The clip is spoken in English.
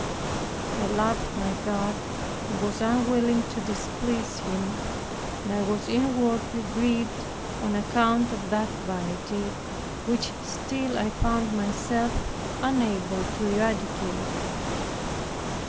I loved my God and was unwilling to displease Him, and I was inwardly grieved on account of that vanity, which still I found myself unable to eradicate.